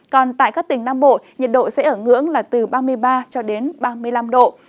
còn tại các tỉnh nam bộ nhiệt độ sẽ ở ngưỡng là từ ba mươi ba cho đến ba mươi năm độ